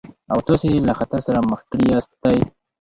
او تاسې يې له خطر سره مخ کړي ياستئ.